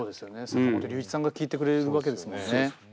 坂本龍一さんが聴いてくれるわけですもんね。